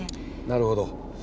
なるほど。